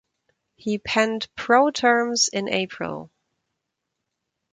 He penned pro terms in April.